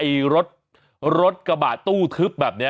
ไอ้รถกระบะตู้ทึบแบบเนี่ย